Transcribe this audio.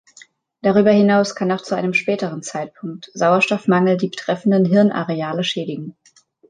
Darüber hinaus kann auch zu einem späteren Zeitpunkt Sauerstoffmangel die betreffenden Hirnareale schädigen.